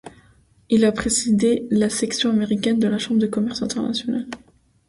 Il a présidé la section américaine de la Chambre de commerce internationale.